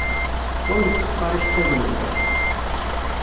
Ur nessexṣar iceḍḍiḍen-nteɣ.